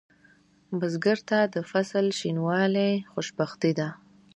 بزګر ته د فصل شینوالی خوشبختي ده